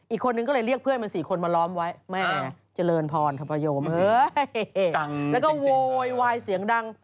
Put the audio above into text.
อีกคนนึงก็เลยเรียกเพื่อนมัน๔คนมาล้อมไว้แม่เจริญพรคโยมแล้วก็โวยวายเสียงดัง